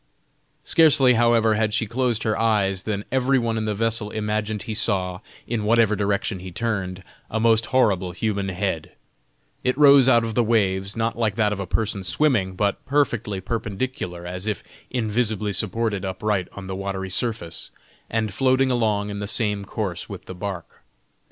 Scarcely, however, had she closed her eyes than every one in the vessel imagined he saw, in whatever direction he turned, a most horrible human head; it rose out of the waves, not like that of a person swimming, but perfectly perpendicular as if invisibly supported upright on the watery surface, and floating along in the same course with the bark.